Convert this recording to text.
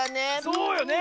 そうよね。